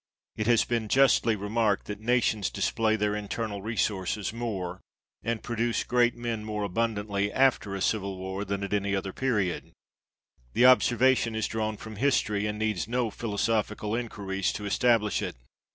It has been justly remarked, that nations display their internal resources more, and produce great men more abundantly after a civil war, than at any other period ; the observation is drawn B 2 INTRODUCTION. from history, and needs no philosophical enquiries to establish it.